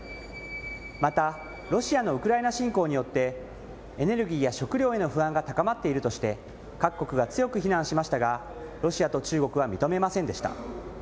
またロシアのウクライナ侵攻によって、エネルギーや食料への不安が高まっているとして、各国が強く非難しましたが、ロシアと中国は認めませんでした。